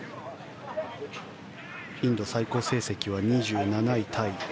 インド、最高成績は２７位タイ。